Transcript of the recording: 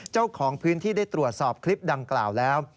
เจ้าของพื้นที่ได้ตรวจสอบคลิปดังกล่าวแล้ว